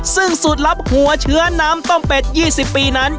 ซึ่งสูตรลับหัวเชื้อน้ำต้มเป็ด๒๐ปีนั้น